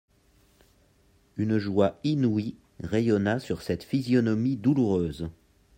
Une joie inouïe rayonna sur cette physionomie douloureuse.